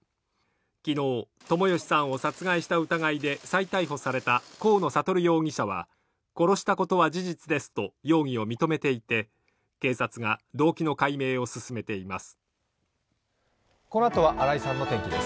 昨日、友義さんを殺害した疑いで再逮捕された河野智容疑者は、殺したことは事実ですと容疑を認めていて、警察が動機の解明を進めています。